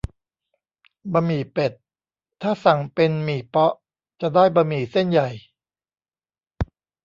บะหมี่เป็ด ถ้าสั่งเป็นหมี่เป๊าะ จะได้บะหมี่เส้นใหญ่